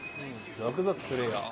ゾクゾクするよ。